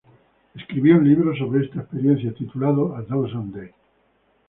Escribió un libro sobre esta experiencia, titulado "A Thousand Days".